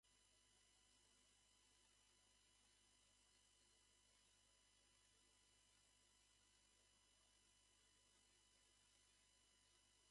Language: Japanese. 失敗した自分を責めて、「わたしってダメだ」と俯いたとき、顔が下を向き過ぎて、“ダメ”な自分だけ見ちゃいけない。それは、自分に失礼だよ。